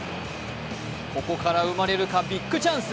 ここから生まれるか、ビッグチャンス。